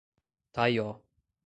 Taió